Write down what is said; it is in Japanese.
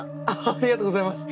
ありがとうございます。